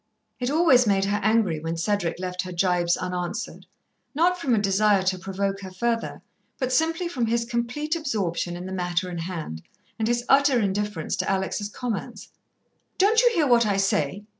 It always made her angry when Cedric left her gibes unanswered, not from a desire to provoke her further, but simply from his complete absorption in the matter in hand, and his utter indifference to Alex's comments. "Don't you hear what I say?"